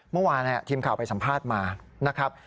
เมื่อวานทีมข่าวไปสัมภาษณ์มานะครับ